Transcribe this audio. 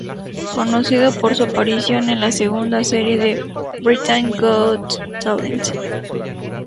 Conocido por su aparición en la segunda serie de Britain's Got Talent.